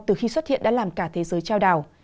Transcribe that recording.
từ khi xuất hiện đã làm cả thế giới trao đảo